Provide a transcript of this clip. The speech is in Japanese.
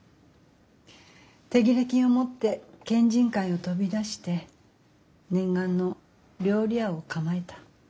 手切れ金を持って県人会を飛び出して念願の料理屋を構えた。